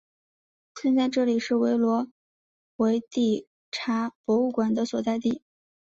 现在这里是维罗维蒂察博物馆的所在地。